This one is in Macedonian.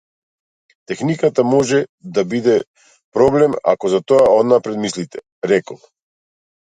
Техниката може да биде проблем ако за тоа однапред мислите, рекол.